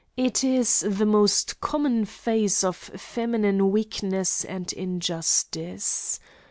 It is the most common phase of feminine weakness and injustice.